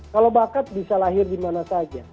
kalau bakat bisa lahir di mana saja